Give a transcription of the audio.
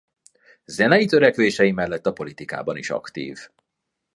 Zenei törekvései mellett a politikában is aktív.